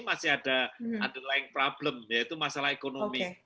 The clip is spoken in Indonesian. masih ada underlying problem yaitu masalah ekonomi